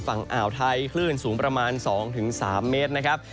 ฝั่งอ่าวไทยคลื่นสูงประมาณ๒๓เมตรนะครับ